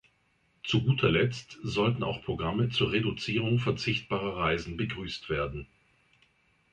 Zu guter Letzt sollten auch Programme zur Reduzierung verzichtbarer Reisen begrüßt werden.